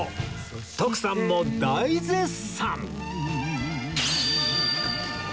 徳さんも大絶賛！